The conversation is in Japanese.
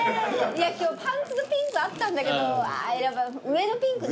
今日パンツのピンクあったんだけどやっぱ上のピンクね。